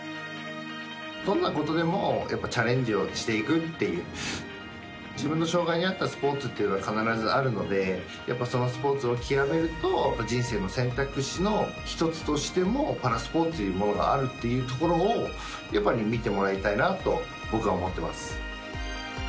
どんなことにもチャレンジをしていくっていう自分の障がいに合ったスポーツっていうのは必ずあるのでそのスポーツを極めると人生の選択肢の１つとしてもパラスポーツというものがあるっていうところを見てもらいたいなと僕は思っています。